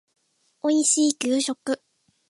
おいしい給食